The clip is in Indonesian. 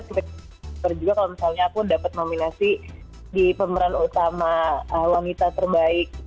juga kalau misalnya aku dapat nominasi di pemeran utama wanita terbaik